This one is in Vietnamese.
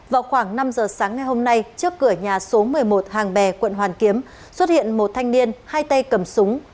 vào khoảng năm giờ sáng ngày hôm nay trước cửa nhà số một mươi một hàng bè quận hoàn kiếm xuất hiện một thanh niên hai tay cầm súng